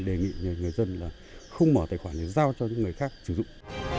đề nghị người dân là không mở tài khoản để giao cho những người khác sử dụng